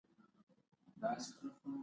نو له دې کبله هغوی باید ډیر محتاط وي.